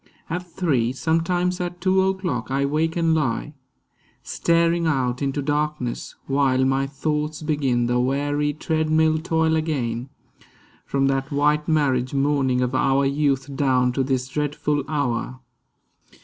At three, Sometimes at two o'clock, I wake and lie, Staring out into darkness; while my thoughts Begin the weary treadmill toil again, From that white marriage morning of our youth Down to this dreadful hour.